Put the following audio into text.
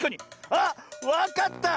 あっわかった！